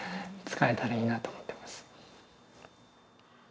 使えたらいいなと思ってます。